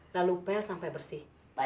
lalu pel sampai bersih